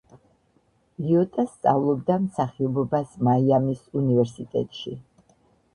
ლიოტა სწავლობდა მსახიობობას მაიამის უნივერსიტეტში.